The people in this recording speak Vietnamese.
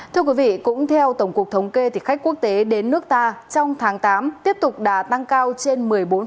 thưa quý vị cũng theo tổng cục thống kê khách quốc tế đến nước ta trong tháng tám tiếp tục đã tăng cao trên một mươi bốn